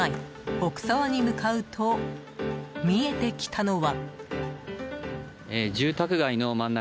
奥沢に向かうと見えてきたのは。